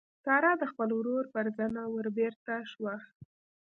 سارا د خپل ورور پر زنه وربېرته شوه.